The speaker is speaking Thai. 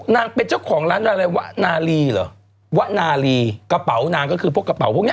นางเป็นเจ้าของร้านอะไรวะนาลีเหรอวะนาลีกระเป๋านางก็คือพวกกระเป๋าพวกเนี้ย